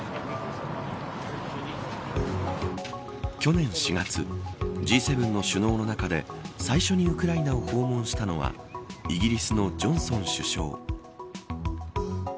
去年４月Ｇ７の首脳の中で最初にウクライナを訪問したのはイギリスのジョンソン首相。